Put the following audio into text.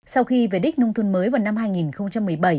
sau khi về đích nông thôn mới vào năm hai nghìn một mươi bảy